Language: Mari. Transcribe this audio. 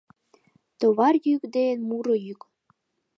Товар йӱк ден муро йӱк